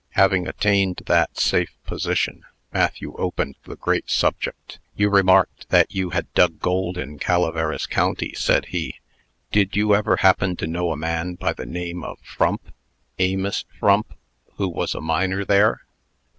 Having attained that safe position, Matthew opened the great subject. "You remarked that you had dug gold in Calaveras County," said he. "Did you ever happen to know a man by the name of Frump Amos Frump who was a miner there?"